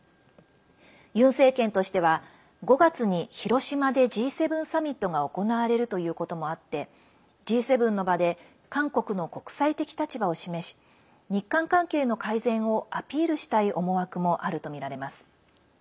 ユン政権としては５月に広島でＧ７サミットが行われるということもあってＧ７の場で韓国の国際的立場を示し日韓関係の改善をアピールしたい思惑もあるとみられます。